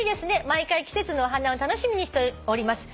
「毎回季節のお花を楽しみにしております」